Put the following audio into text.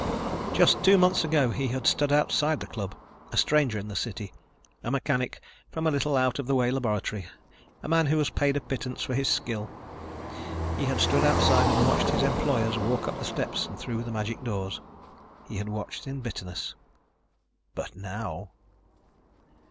Just two months ago he had stood outside the club, a stranger in the city, a mechanic from a little out of the way laboratory, a man who was paid a pittance for his skill. He had stood outside and watched his employers walk up the steps and through the magic doors. He had watched in bitterness.... But now!